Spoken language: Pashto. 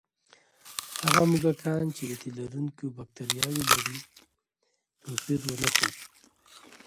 هغه موږکان چې د تیلرونکي بکتریاوې لري، توپیر ونه ښود.